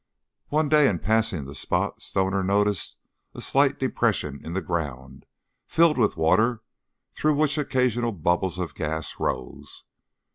One day in passing the spot Stoner noticed a slight depression in the ground, filled with water through which occasional bubbles of gas rose.